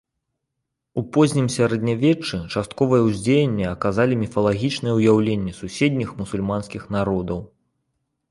У познім сярэднявеччы частковае ўздзеянне аказалі міфалагічныя ўяўленні суседніх мусульманскіх народаў.